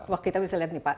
wah kita bisa lihat nih pak